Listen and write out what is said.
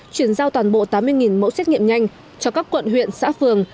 chuyển giao toàn bộ tám mươi mẫu xét nghiệm nhanh cho các quận huyện xã phường